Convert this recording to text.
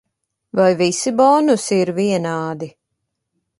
Vai visi bonusi ir vienādi?